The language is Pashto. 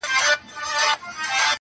بلال په وینو رنګوي منبر په کاڼو ولي،